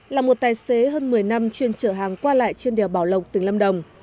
là một tài xế hơn một mươi năm chuyên chở hàng qua lại trên đèo bảo lộc tỉnh lâm đồng